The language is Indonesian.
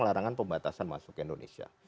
larangan pembatasan masuk ke indonesia